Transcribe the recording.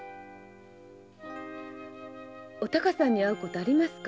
お孝さんに会うことありますか？